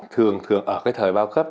thường ở cái thời bao cấp